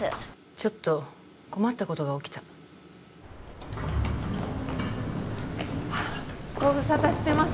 ちょっと困ったことが起きたご無沙汰してます